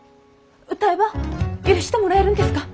歌えば許してもらえるんですか？